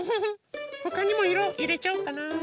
ほかにもいろいれちゃおっかな。